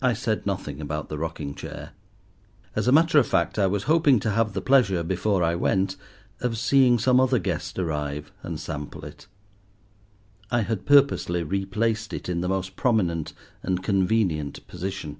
I said nothing about the rocking chair. As a matter of fact, I was hoping to have the pleasure, before I went, of seeing some other guest arrive and sample it: I had purposely replaced it in the most prominent and convenient position.